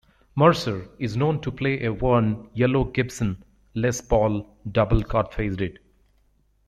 Mercer is known to play a worn yellow Gibson Les Paul Double cut faded.